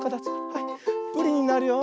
はいプリンになるよ。